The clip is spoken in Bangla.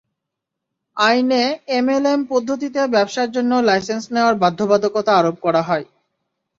আইনে এমএলএম পদ্ধতিতে ব্যবসার জন্য লাইসেন্স নেওয়ার বাধ্যবাধকতা আরোপ করা হয়।